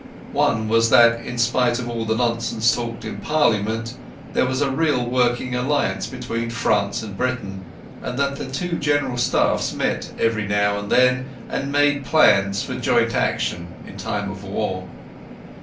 One was that, in spite of all the nonsense talked in Parliament, there was a real working alliance between France and Britain, and that the two General Staffs met every now and then, and made plans for joint action in case of war.